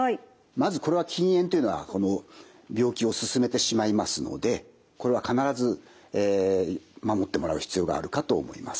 まずこれは禁煙というのはこの病気を進めてしまいますのでこれは必ず守ってもらう必要があるかと思います。